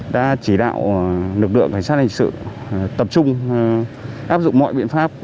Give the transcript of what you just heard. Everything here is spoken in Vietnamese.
đã chỉ đạo lực lượng cảnh sát hình sự tập trung áp dụng mọi biện pháp